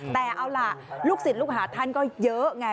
แต่เอาล่ะลูกศิษย์ลูกหาท่านก็เยอะไง